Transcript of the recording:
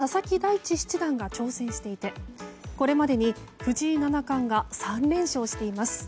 今期の王位戦七番勝負は藤井七冠に佐々木大地七段が挑戦していてこれまでに、藤井七冠が３連勝しています。